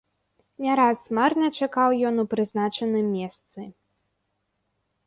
Не раз марна чакаў ён у прызначаным месцы.